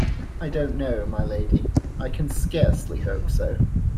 I don't know, my Lady; I can scarcely hope so.